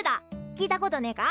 聞いたことねえか？